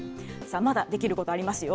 まだできることありますよ。